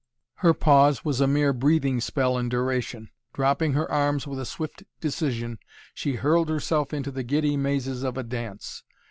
Her pause was a mere breathing spell in duration. Dropping her arms with a swift decision, she hurled herself into the giddy mazes of a dance.